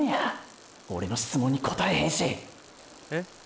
オレの質問に答えへんしえ？